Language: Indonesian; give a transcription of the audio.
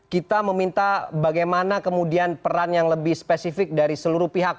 kita meminta bagaimana kemudian peran yang lebih spesifik dari seluruh pihak